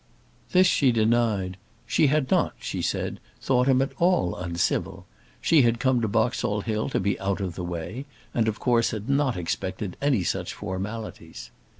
This she denied. "She had not," she said, "thought him at all uncivil. She had come to Boxall Hill to be out of the way; and, of course, had not expected any such formalities."